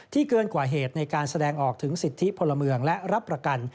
เกินกว่าเหตุในการแสดงออกถึงสิทธิพลเมืองและรับประกัน